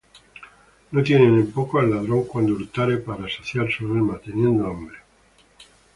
No tienen en poco al ladrón, cuando hurtare Para saciar su alma teniendo hambre: